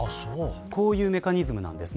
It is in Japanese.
こういうメカニズムです。